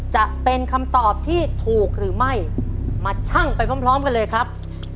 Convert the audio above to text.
จะเป็นคำตอบที่ถูกหรือไม่มาชั่งไปพร้อมกันเลยครับ